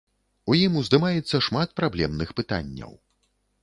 У ім уздымаецца шмат праблемных пытанняў.